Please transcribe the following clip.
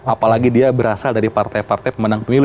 apalagi dia berasal dari partai partai pemenang pemilu